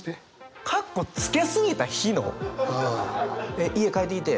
えっ家帰ってきて？